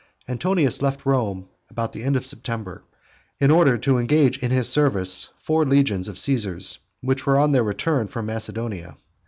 Antonius left Rome about the end of September, in order to engage in his service four legions of Caesar's, which were on their return from Macedonia.